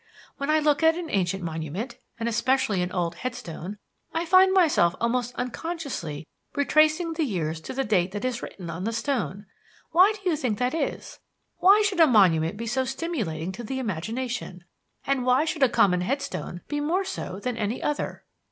When I look at an ancient monument, and especially an old headstone, I find myself almost unconsciously retracing the years to the date that is written on the stone. Why do you think that is? Why should a monument be so stimulating to the imagination? And why should a common headstone be more so than any other?"